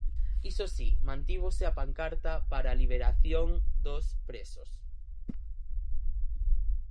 Iso si, mantívose a pancarta para a liberación dos presos.